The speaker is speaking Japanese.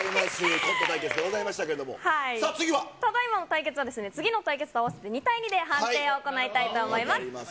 コント対決でございましたけれどただいまの対決は、次の対決と合わせて、２対２で判定を行いたいと思います。